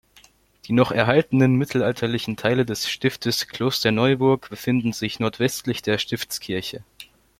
Die noch erhaltenen mittelalterlichen Teile des Stiftes Klosterneuburg befinden sich nordwestlich der Stiftskirche.